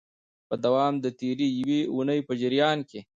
په دوام د تیري یوې اونۍ په جریان کي